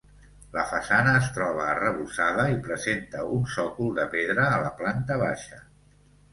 La façana es troba arrebossada i presenta un sòcol de pedra a la planta baixa.